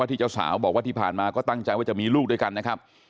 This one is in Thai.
ที่เจ้าสาวบอกว่าที่ผ่านมาก็ตั้งใจว่าจะมีลูกด้วยกันนะครับ